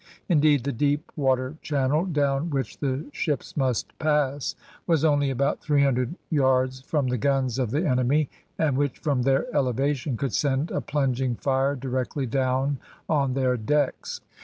Indeed, the deep water channel, down which the ships must pass, was only about three hundred yards from the guns of the enemy, and which from their elevation could send a plunging fire directly down on their decks.